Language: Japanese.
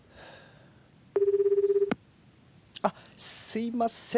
あっすいません